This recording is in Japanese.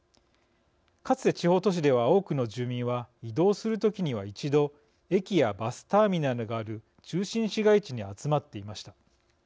かつて地方都市では多くの住民は移動する時には一度駅やバスターミナルがある中心市街地に集まっていました。